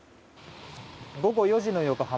午後４時の横浜